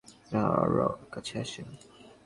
আরো কাছে আসেন।